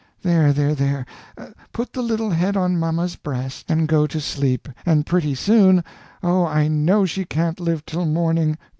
There, there, there, put the little head on mamma's breast and go to sleep, and pretty soon oh, I know she can't live till morning!